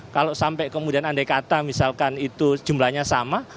kalau sampai kemudian andai kata misalkan itu jumlahnya sama